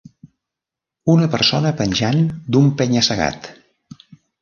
Una persona penjant d'un penya-segat.